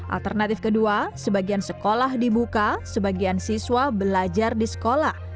alternatif kedua sebagian sekolah dibuka sebagian siswa belajar di sekolah